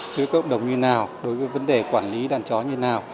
đối với cộng đồng như nào đối với vấn đề quản lý đàn chó như nào